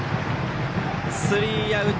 スリーアウト。